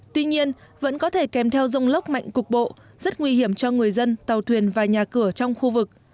tuy nhiên vẫn có thể kèm theo rông lốc mạnh cục bộ rất nguy hiểm cho người dân tàu thuyền và nhà cửa trong khu vực